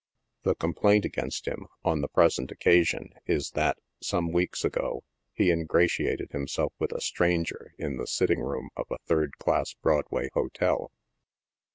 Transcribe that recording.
The complaint against him, on the present occasion is that, some weeks ago, he ingratiated himself with a stranger in the sitting room of a third class Broadway hotel.